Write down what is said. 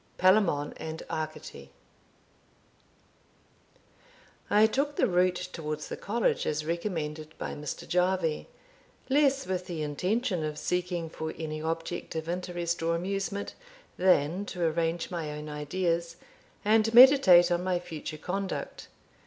Palamon and Arcite. I took the route towards the college, as recommended by Mr. Jarvie, less with the intention of seeking for any object of interest or amusement, than to arrange my own ideas, and meditate on my future conduct.